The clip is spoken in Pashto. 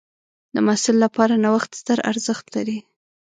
د محصل لپاره نوښت ستر ارزښت لري.